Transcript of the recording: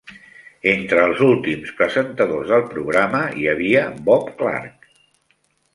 Entre els últims presentadors del programa hi havia Bob Clark.